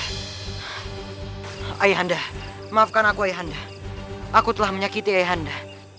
hai ayah anda maafkan aku ayah anda aku telah menyakiti anda